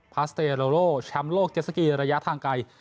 พาสเตเลโลโลชามโลกเจสสกีระยะทางกาย